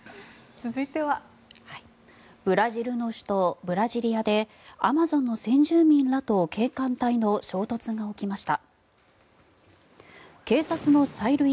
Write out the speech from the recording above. ブラジルの首都ブラジリアでアマゾンの先住民らと警官隊の衝突が起きました。